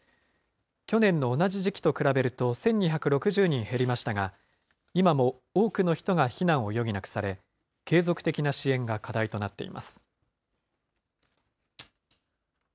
去年の同じ時期と比べると１２６０人減りましたが、今も多くの人が避難を余儀なくされ、継続的な支援が課題となっています。